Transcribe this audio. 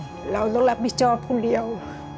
ทุกวันนิดหน่อยเราต้องรับผิดชอบคนเดียว